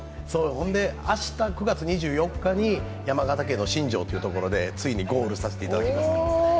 明日、９月２４日に山形県の新庄でついにゴールさせていただきます。